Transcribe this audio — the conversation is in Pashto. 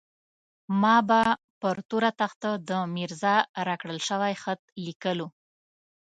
ما به پر توره تخته د ميرزا راکړل شوی خط ليکلو.